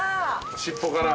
尻尾から。